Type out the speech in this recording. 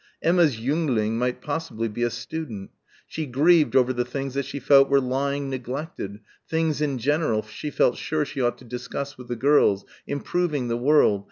Emma's jüngling might possibly be a student.... She grieved over the things that she felt were lying neglected, "things in general" she felt sure she ought to discuss with the girls ... improving the world